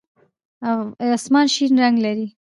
آسمان شین رنګ لري.